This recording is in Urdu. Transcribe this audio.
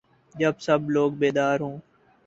جب سب لوگ بیدار ہو